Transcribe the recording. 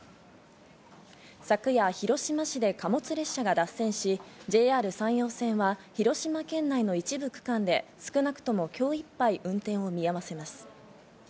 昨夜、広島市で貨物列車が脱線し、ＪＲ山陽線は広島県内の一部区間で少なくとも今日いっぱい運転を見合わせます。